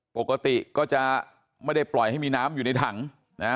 ปกติก็จะไม่ได้ปล่อยให้มีน้ำอยู่ในถังนะฮะ